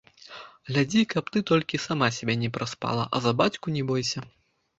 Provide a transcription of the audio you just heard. Глядзі, каб ты толькі сама сябе не праспала, а за бацьку не бойся!